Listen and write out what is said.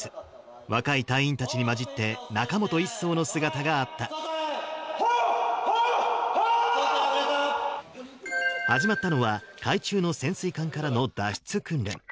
若い隊員たちに交じって、ほっ、ほっ、ほー！始まったのは、海中の潜水艦からの脱出訓練。